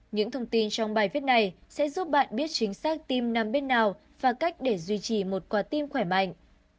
những thông tin trong bài viết này sẽ giúp bạn biết chính xác tim nam biết nào và cách để duy trì một quả tim khỏe mạnh